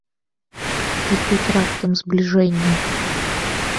І тут раптам збліжэнне!